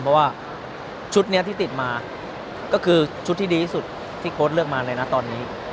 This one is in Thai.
เพราะว่าชุดนี้ที่ติดมาก็คือชุดที่ดีที่สุดที่โค้ดเลือกมาเลยนะตอนนี้